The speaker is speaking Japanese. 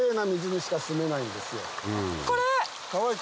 これ！